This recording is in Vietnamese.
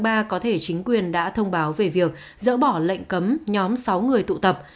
ba có thể chính quyền đã thông báo về việc dỡ bỏ lệnh cấm nhóm sáu người tụ tập